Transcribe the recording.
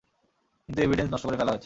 কিন্তু এভিডেন্স নষ্ট করে ফেলা হয়েছে।